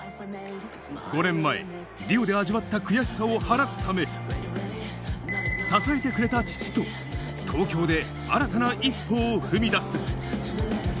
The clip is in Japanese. ５年前、リオで味わった悔しさを晴らすため、支えてくれた父と、東京で新たな一歩を踏み出す。